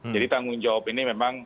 tanggung jawab ini memang